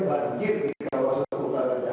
mereka itu tanya